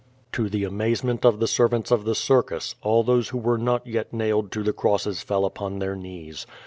To the amazement of the sen ants of the circus, all those who were not yet nailed to the crosses fell upon their knees.